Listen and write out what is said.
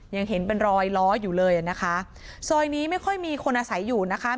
ยังเห็นเป็นรอยล้ออยู่เลยอ่ะนะคะซอยนี้ไม่ค่อยมีคนอาศัยอยู่นะคะ